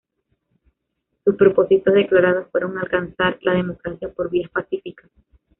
Sus propósitos declarados fueron alcanzar la democracia por vías pacíficas.